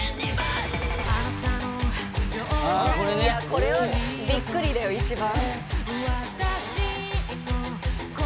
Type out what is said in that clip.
これはびっくりだよ一番。